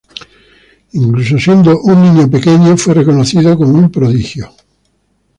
Incluso siendo un niño pequeño, fue reconocido como un prodigio.